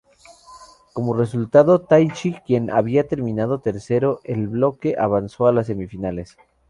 Como resultado, Taichi, quien había terminado tercero en el bloque, avanzó a las semifinales.